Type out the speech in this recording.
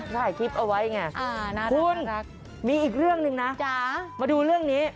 ถ่ายคลิปเอาไว้ไงคุณมีอีกเรื่องหนึ่งนะมาดูเรื่องนี้